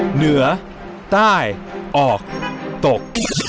เหนือใต้ออกตก